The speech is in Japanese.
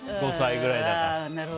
５歳くらいだから。